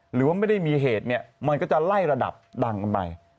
หรือว่าไม่ได้มีเหตุเนี่ยมันก็จะไล่ระดับดังกันไป